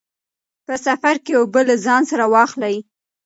په سفر کې اوبه له ځان سره واخلئ.